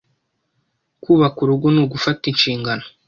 Kubaka urugo ni ugufata inshingano